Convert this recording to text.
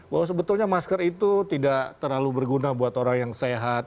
bahwa sebetulnya masker itu tidak terlalu berguna buat orang yang sehat